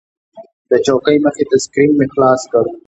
د چوکۍ مخې ته سکرین مې خلاص کړ.